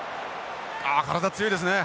ああ体強いですね。